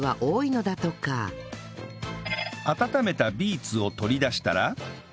温めたビーツを取り出したら